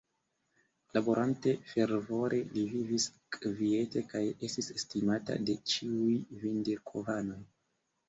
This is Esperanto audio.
Laborante fervore, li vivis kviete kaj estis estimata de ĉiuj Vindirkovanoj.